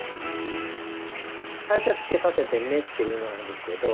最初は「つけさせてね」っていうのなんですけど。